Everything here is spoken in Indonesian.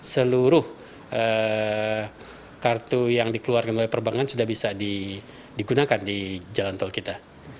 seluruh kartu yang dikeluarkan oleh perbankan sudah bisa digunakan di jalan tol kita